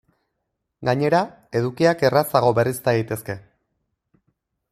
Gainera, edukiak errazago berrizta daitezke.